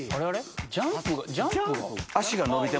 ジャンプは？